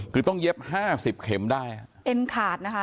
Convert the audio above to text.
คือต้องเย็บห้าสิบเข็มได้อ่ะเอ็นขาดนะคะ